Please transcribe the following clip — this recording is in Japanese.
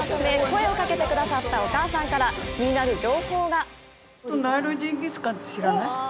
車を止め声をかけてくださったお母さんから気になる情報が！